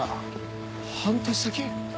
半年先。